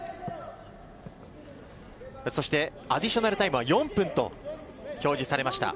そしてアディショナルタイムは４分と表示されました。